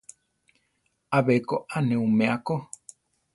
Abé ko a ne umea ko.